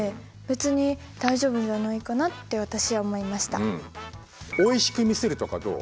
私は別においしく見せるとかどう？